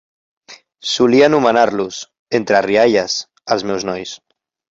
Solia anomenar-los, entre rialles, "Els meus nois".